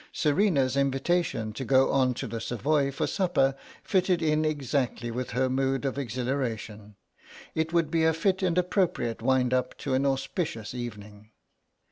Serena's invitation to go on to the Savoy for supper fitted in exactly with her mood of exhilaration. It would be a fit and appropriate wind up to an auspicious evening.